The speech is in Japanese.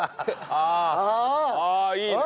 ああいいねえ。